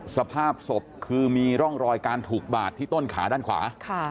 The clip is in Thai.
สภาพศพคือมีร่องรอยการถูกบาดที่ต้นขาด้านขวา